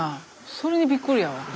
それにびっくりやわ。